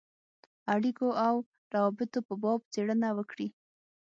اړېکو او روابطو په باب څېړنه وکړي.